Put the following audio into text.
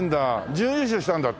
準優勝したんだ。